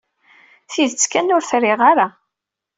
Tidet kan, ur t-riɣ ara.